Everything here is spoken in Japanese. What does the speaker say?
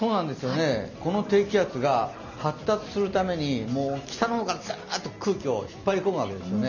この低気圧が発達するために北の方から空気を引っ張り込むわけですよね。